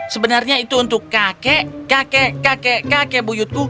sebenarnya itu untuk kakek kakek kakek kakek buyutku